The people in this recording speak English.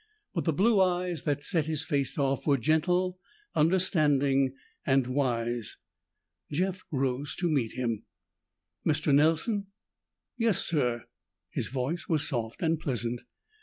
But the blue eyes that set his face off were gentle, understanding and wise. Jeff rose to meet him. "Mr. Nelson?" "Yes sir." His voice was soft and pleasant.